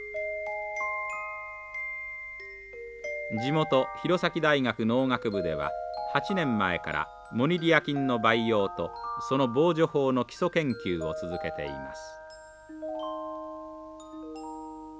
地元弘前大学農学部では８年前からモニリア菌の培養とその防除法の基礎研究を続けています。